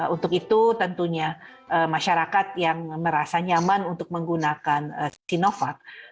untuk itu tentunya masyarakat yang merasa nyaman untuk menggunakan sinovac